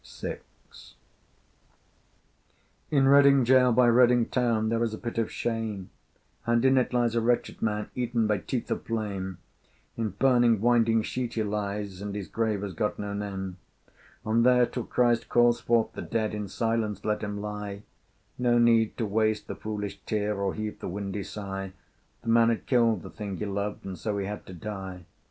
VI. In Reading gaol by Reading town There is a pit of shame, And in it lies a wretched man Eaten by teeth of flame, In burning winding sheet he lies, And his grave has got no name. And there, till Christ call forth the dead, In silence let him lie: No need to waste the foolish tear, Or heave the windy sigh: The man had killed the thing he loved, And so he had to die.